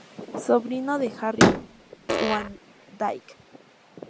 Sobrino de Jerry Van Dyke.